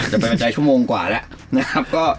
จะไปใจชั่วโมงกว่าแล้วนะครับ